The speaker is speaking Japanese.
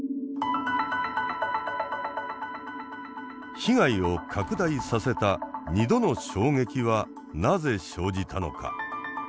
被害を拡大させた２度の衝撃はなぜ生じたのか。